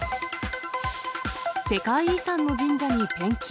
世界遺産の神社にペンキ。